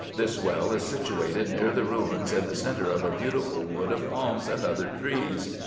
This well is situated near the ruins, in the centre of a beautiful wood of palms and other trees.